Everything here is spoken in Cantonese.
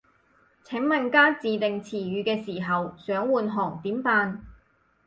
請問加自訂詞語嘅時候，想換行點辦